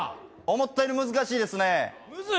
思ったより難しいですね。